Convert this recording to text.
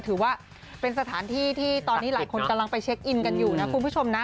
ถือว่าเป็นสถานที่ที่ตอนนี้หลายคนกำลังไปเช็คอินกันอยู่นะคุณผู้ชมนะ